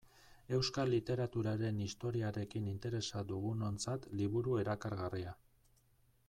Euskal literaturaren historiarekin interesa dugunontzat liburu erakargarria.